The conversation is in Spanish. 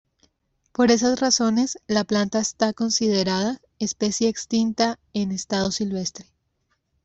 Por esas razones, la planta está considerada especie extinta en estado silvestre.